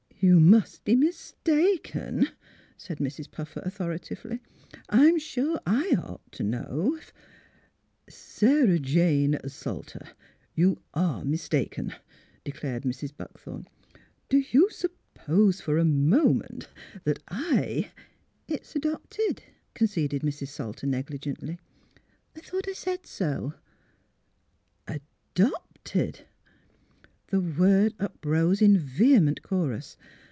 " You must be mistaken," said Mrs. Puffer, authoritatively. "I'm sure I ought to know, if "" Sarah Jane Salter, you are mistaken," de 302 THE HEART OF PHILURA clared Mrs. Buckthorn. '' Do you suppose for a moment that I "" It's adopted," conceded Mrs. Salter, negli gently. " I thought I said so." "Adopted! " The word uprose in vehement chorus.